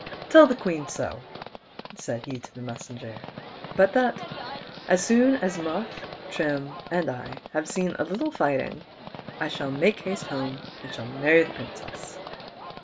Tell the Queen so," said he to the mes senger; "but that as soon as Muff, Trim, and I have seen a little fighting, I shall make haste home, and marry the Princess."